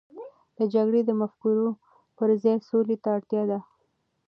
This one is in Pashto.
د جګړې د مفکورو پر ځای، سولې ته اړتیا ده.